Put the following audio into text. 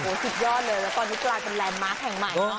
สุดยอดเลยแล้วตอนนี้กลายเป็นแลนดมาร์คแห่งใหม่เนาะ